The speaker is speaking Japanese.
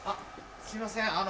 すいませんあの。